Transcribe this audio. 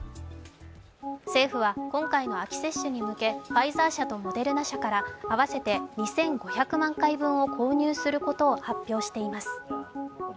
政府は今回の秋接種に向けファイザー社とモデルナ社から合わせて２５００万回分を購入することを発表しています。